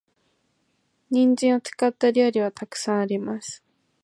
人参を使った料理は沢山あります。